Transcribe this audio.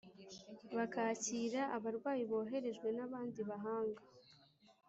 Bakakira abarwayi boherejwe n abandi bahanga